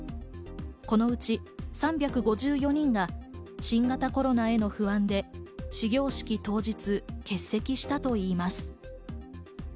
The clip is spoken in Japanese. このうち３５４人が新型コロナへの不安で始業式当日、欠席したといいます。